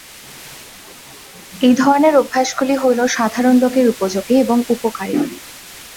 এই ধরনের অভ্যাসগুলি হইল সাধারণ লোকের উপযোগী এবং উপকারী।